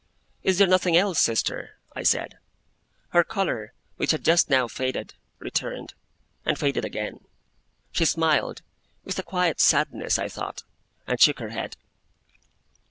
'Is there nothing else, Sister?' I said. Her colour, which had just now faded, returned, and faded again. She smiled; with a quiet sadness, I thought; and shook her head.